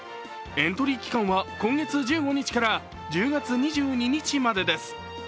エントリー期間は今月１５日から１０月２２日までです。